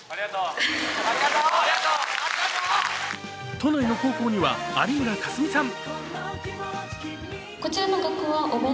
都内の高校には有村架純さん。